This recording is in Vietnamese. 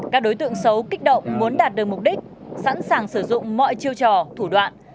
các đối tượng xấu kích động muốn đạt được mục đích sẵn sàng sử dụng mọi chiêu trò thủ đoạn